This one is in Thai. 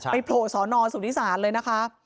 โผล่สอนอสุทธิศาลเลยนะคะ